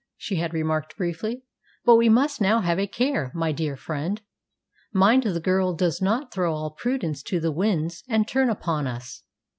she had remarked briefly. "But we must now have a care, my dear friend. Mind the girl does not throw all prudence to the winds and turn upon us."